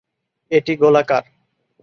এটি গোলাকার।